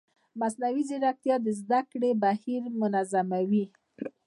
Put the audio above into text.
مصنوعي ځیرکتیا د زده کړې بهیر منظموي.